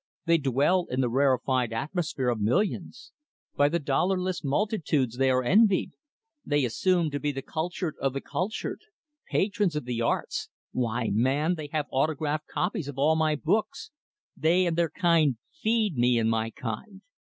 They dwell in the rarefied atmosphere of millions. By the dollarless multitudes they are envied. They assume to be the cultured of the cultured. Patrons of the arts! Why, man, they have autographed copies of all my books! They and their kind feed me and my kind.